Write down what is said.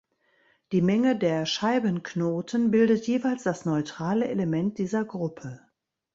Die Menge der Scheibenknoten bildet (jeweils) das neutrale Element dieser Gruppe.